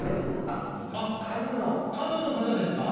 カヌーの方ですか？